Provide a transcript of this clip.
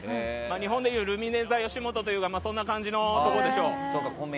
日本でいうルミネｔｈｅよしもととかそんな感じのところでしょう。